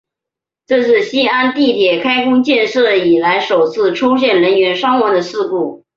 这是西安地铁开工建设以来首次出现人员伤亡的事故。